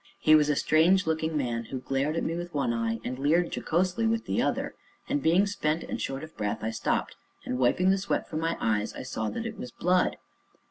He was a strange looking man, who glared at me with one eye and leered jocosely with the other; and, being spent and short of breath, I stopped, and wiping the sweat from my eyes I saw that it was blood.